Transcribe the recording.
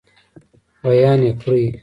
بیان یې کړئ.